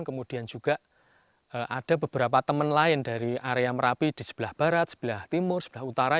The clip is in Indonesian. kemudian juga ada beberapa teman lain dari area merapi di sebelah barat sebelah timur sebelah utara